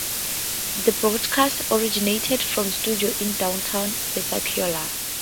The broadcasts originated from studios in downtown Pensacola.